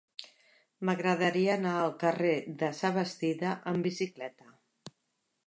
M'agradaria anar al carrer de Sabastida amb bicicleta.